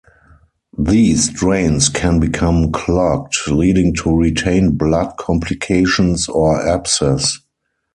These drains can become clogged, leading to retained blood complications or abscess.